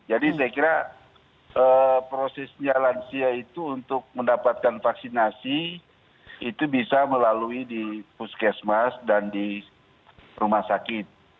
saya kira prosesnya lansia itu untuk mendapatkan vaksinasi itu bisa melalui di puskesmas dan di rumah sakit